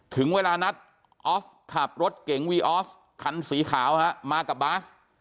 ถึงเวลานัดออฟขับรถเก๋งวีออฟคันสีขาวมากับบาส